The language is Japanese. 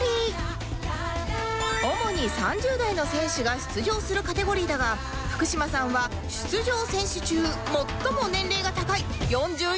主に３０代の選手が出場するカテゴリーだが福島さんは出場選手中最も年齢が高い４４歳